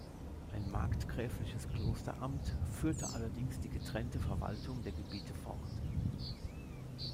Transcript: Ein markgräfliches Klosteramt führte allerdings die getrennte Verwaltung der Gebiete fort.